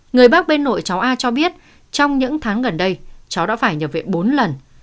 người bác bên nội cháu a cho biết trong những tháng gần đây cháu đã phải nhập viện bốn lần